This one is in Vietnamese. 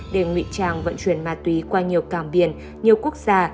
để nguyện tràng vận chuyển ma túy qua nhiều cảng biển nhiều quốc gia